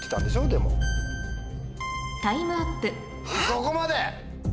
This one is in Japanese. そこまで！